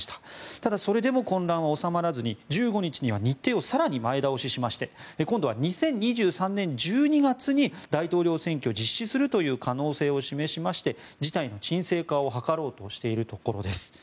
ただ、それでも混乱は収まらずに１５日には日程を更に前倒ししまして今度は２０２３年１２月に大統領選挙を実施するという可能性を示しまして、事態の鎮静化を図ろうとしているところです。